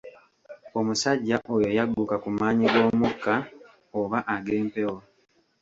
Omusajja oyo yagguka ku maanyi g'omukka oba ag'empewo.